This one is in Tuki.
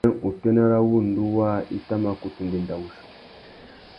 Being, utênê râ wŭndú waā i tà mà kutu ndénda wuchi.